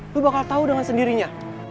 lu bakal tahu dengan sendirinya